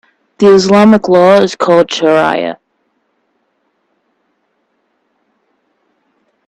The Islamic law is called shariah.